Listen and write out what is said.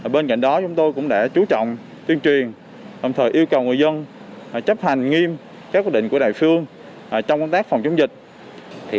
bên cạnh đó chúng tôi cũng đã chú trọng tuyên truyền đồng thời yêu cầu người dân chấp hành nghiêm các quyết định của đài phương trong công tác phòng chống dịch